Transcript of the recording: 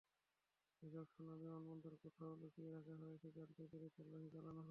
এসব সোনা বিমানবন্দরের কোথাও লুকিয়ে রাখা হয়েছে—জানতে পেরে তল্লাশি চালানো হয়।